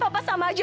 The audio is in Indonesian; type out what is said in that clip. papa sama saja